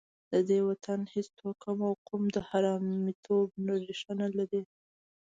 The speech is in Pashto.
د دې وطن هېڅ توکم او قوم د حرامیتوب ریښه نه لري.